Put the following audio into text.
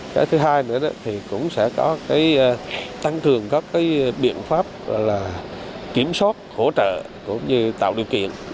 cái thứ hai nữa thì cũng sẽ có cái tăng cường các cái biện pháp là kiểm soát hỗ trợ cũng như tạo điều kiện